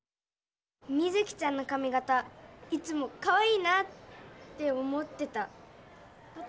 ミズキちゃんのかみ形いつもかわいいなって思ってた。